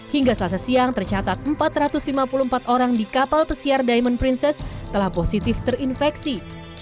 hingga selasa siang tercatat empat ratus lima puluh empat orang di kapal pesiar diamond princess telah positif terinfeksi